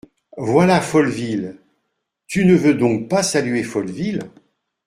Voilà Folleville… tu ne veux donc pas saluer Folleville ?